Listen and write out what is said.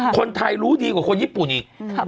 คนไทยรู้ดีกว่าคนญี่ปุ่นอีก